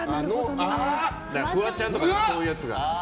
フワちゃんとかそういうやつが。